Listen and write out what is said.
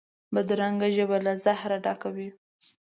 بدرنګه ژبه له زهره ډکه وي